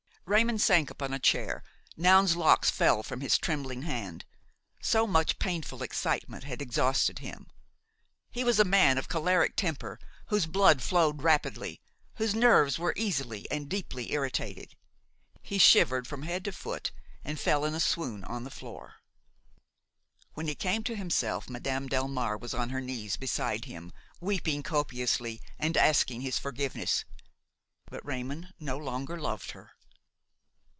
Raymon sank upon a chair; Noun's locks fell from his trembling hand. So much painful excitement had exhausted him. He was a man of choleric temper, whose blood flowed rapidly, whose nerves were easily and deeply irritated. He shivered from head to foot and fell in a swoon on the floor. When he came to himself, Madame Delmare was on her knees beside him, weeping copiously and asking his forgiveness; but Raymon no longer loved her.